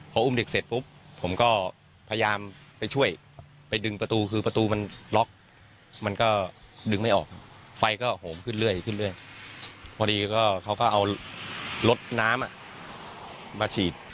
พออุ้มเด็กเสร็จปุ๊บผมก็พยายามไปช่วยไปดึงประตูคือประตูมันล็อกมันก็ดึงไม่ออกครับไฟก็โหมขึ้นเรื่อยขึ้นเรื่อยพอดีก็เขาก็เอารถน้ำมาฉีด